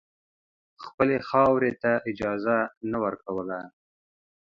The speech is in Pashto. خپلې خاورې ته اجازه نه ورکوله.